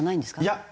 いや。